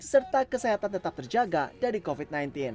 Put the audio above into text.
serta kesehatan tetap terjaga dari covid sembilan belas